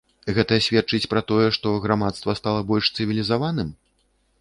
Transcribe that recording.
Гэта сведчыць пра тое, што грамадства стала больш цывілізаваным?